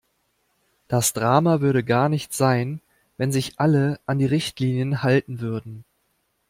Das Drama würde gar nicht sein, wenn sich alle an die Richtlinien halten würden.